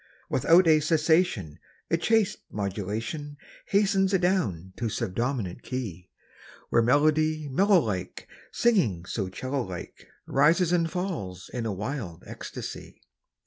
Without a cessation A chaste modulation Hastens adown to subdominant key, Where melody mellow like Singing so 'cello like Rises and falls in a wild ecstasy.